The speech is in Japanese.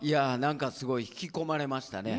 すごく引き込まれましたね。